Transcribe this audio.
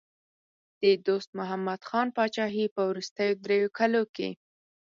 د دوست محمد خان پاچاهۍ په وروستیو دریو کالو کې.